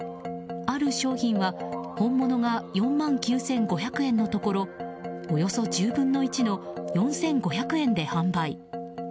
ある商品は本物が４万９５００円のところおよそ１０分の１の４５００円で販売。